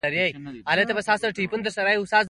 امید خاندي.